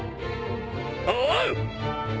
おう！